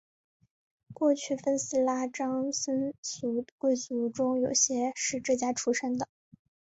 过去分寺拉章僧俗贵族中有些是这家出生的。